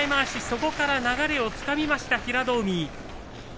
そこから流れをつかみました平戸海。